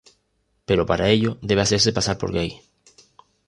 Pero para ello debe hacerse pasar por gay.